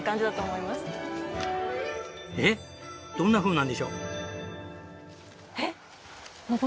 えっどんなふうなんでしょう？